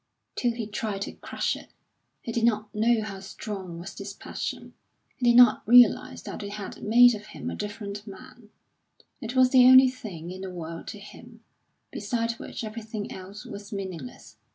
Till he tried to crush it, he did not know how strong was this passion; he did not realise that it had made of him a different man; it was the only thing in the world to him, beside which everything else was meaningless.